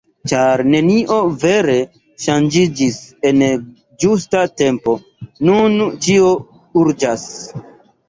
Ĉar nenio vere ŝanĝiĝis en ĝusta tempo, nun ĉio urĝas.